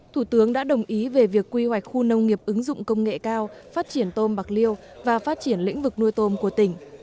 thủ tướng đã đồng ý về việc quy hoạch khu nông nghiệp ứng dụng công nghệ cao phát triển tôm bạc liêu và phát triển lĩnh vực nuôi tôm của tỉnh